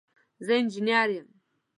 زه انجينر يم.